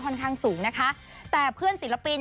ค่อนข้างสูงนะคะแต่เพื่อนศิลปิน